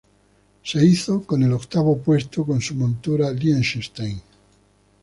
Se hizo con el octavo puesto con su montura "Liechtenstein".